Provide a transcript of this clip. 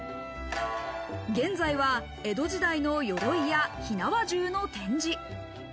現在は江戸時代の鎧や火縄銃の展示。